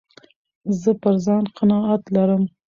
زه پر ځان قناعت لرم.